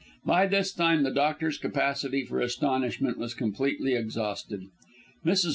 By this time the doctor's capacity for astonishment was completely exhausted. Mrs.